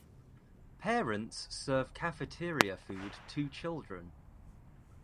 Parents serve cafeteria food to children.